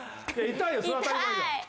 痛いよ。